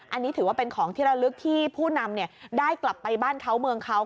อันนี้ถือว่าเป็นของที่ระลึกที่ผู้นำได้กลับไปบ้านเขาเมืองเขา